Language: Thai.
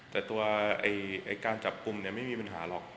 แต่ตัวการจับคุมเนี่ยไม่มีปัญหาหรอก